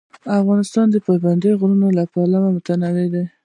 افغانستان د پابندی غرونه له پلوه متنوع دی.